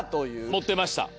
持ってました。